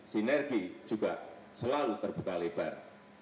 sinergi juga selalu terbuka lebar